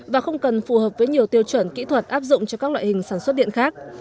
và không cần phù hợp với nhiều tiêu chuẩn kỹ thuật áp dụng cho các loại hình sản xuất điện khác